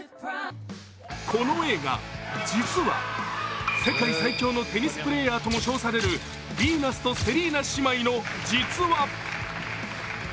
この映画、実は世界最強のテニスプレーヤーとも称されるビーナスとセリーナ姉妹の実話。